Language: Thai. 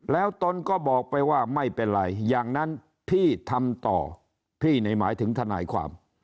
แล้วตนก็บอกไปว่าไม่เป็นไรอย่างนั้นพี่ทำต่อพี่นี่หมายถึงทนายความ